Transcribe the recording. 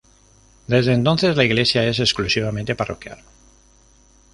Desde entonces, la iglesia es exclusivamente parroquial.